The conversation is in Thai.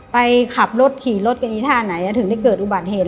ไปขับรถขี่รถกันอีท่าไหนถึงได้เกิดอุบัติเหตุ